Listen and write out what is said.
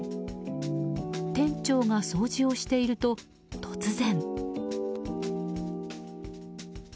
店長が掃除をしていると、突然。